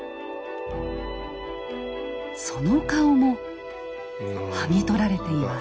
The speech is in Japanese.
その顔もはぎ取られています。